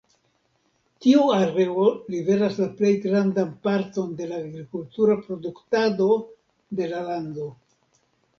Tiu areo liveras la plej grandan parton de la agrikultura produktado de la lando.